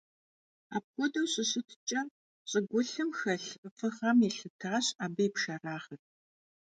Apxuedeu şışıtç'e, ş'ıgulhım xelh fığem yêlhıtaş abı yi pşşerağır.